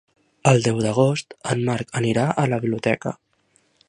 El deu d'agost en Marc anirà a la biblioteca.